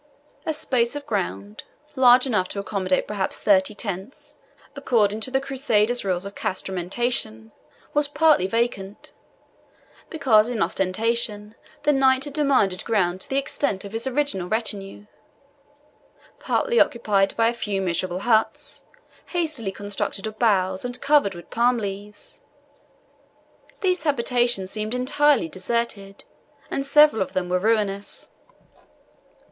A space of ground, large enough to accommodate perhaps thirty tents, according to the Crusaders' rules of castrametation, was partly vacant because, in ostentation, the knight had demanded ground to the extent of his original retinue partly occupied by a few miserable huts, hastily constructed of boughs, and covered with palm leaves. These habitations seemed entirely deserted, and several of them were ruinous.